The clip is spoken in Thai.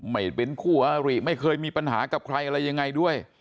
ไม่เป็นคู่อาริไม่เคยมีปัญหากับใครอะไรยังไงด้วย